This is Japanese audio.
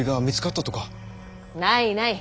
ないない。